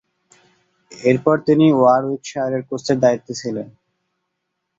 এরপর তিনি ওয়ারউইকশায়ারের কোচের দায়িত্বে ছিলেন।